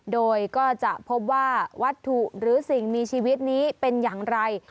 โดยก็จะพบว่าวัตถุหรือสิ่งมีชีวิตนี้เป็นอย่างไร